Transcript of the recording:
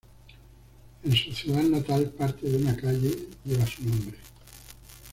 En su ciudad natal, parte de una calle lleva su nombre.